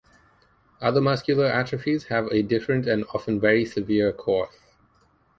Other muscular atrophies have a different and often very severe course.